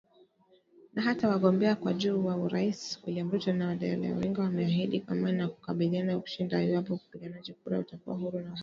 Na hata wagombea wa juu wa urais William Ruto na Raila Odinga wameahidi amani – na kukubali kushindwa iwapo upigaji kura utakuwa huru na wa haki.